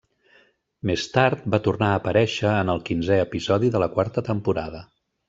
Més tard, va tornar a aparèixer en el quinzè episodi de la quarta temporada.